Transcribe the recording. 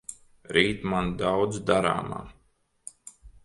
Rīt man daudz darāmā.